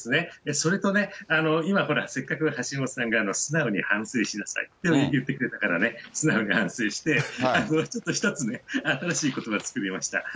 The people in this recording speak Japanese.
それとね、今、ほら、せっかく、橋下さんが素直に反省しなさいと言ってくれたからね、素直に反省して、ちょっと１つね、新しいことば作りました。